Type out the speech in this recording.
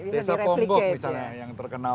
desa ponggok misalnya yang terkenal